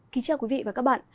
kính chào quý vị và các bạn